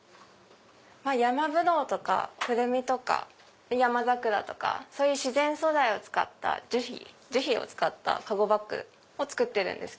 ヤマブドウとかクルミとかヤマザクラとかそういう自然素材樹皮を使った籠バッグを作ってるんです。